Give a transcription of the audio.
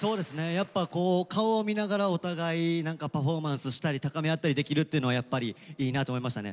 やっぱこう顔を見ながらお互い何かパフォーマンスしたり高めあったりできるっていうのはやっぱりいいなと思いましたね。